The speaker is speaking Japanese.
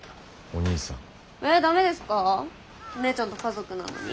お姉ちゃんと家族なのに？